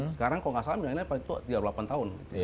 sekarang kalau gak salah milenialnya paling tua tiga puluh delapan tahun